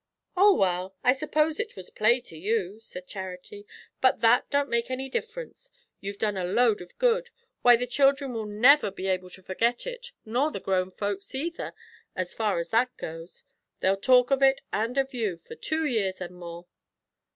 "O, well! I suppose it was play to you," said Charity, "but that don't make any difference. You've done a load of good. Why, the children will never be able to forget it, nor the grown folks either, as far as that goes; they'll talk of it, and of you, for two years, and more."